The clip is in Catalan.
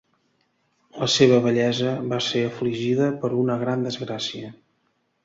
La seva vellesa va ser afligida per una gran desgràcia.